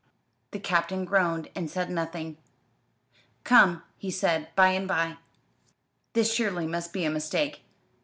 The Captain groaned and said nothing. "Come," he said, by and by, "this surely must be a mistake.